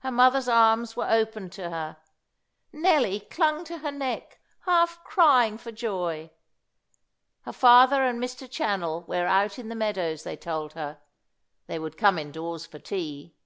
Her mother's arms were opened to her. Nelly clung to her neck, half crying for joy. Her father and Mr. Channell were out in the meadows, they told her; they would come indoors for tea.